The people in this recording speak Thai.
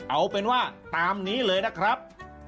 เอาเป็นว่าตามนี้เลยนะครับ